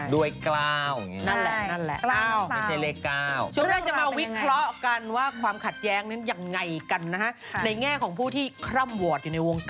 ด้วยการทำอะไรอะด้วยมีคำถามให้๓ข้อ